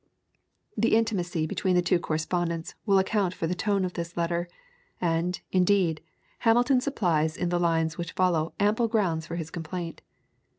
'" The intimacy between the two correspondents will account for the tone of this letter; and, indeed, Hamilton supplies in the lines which follow ample grounds for his complaint.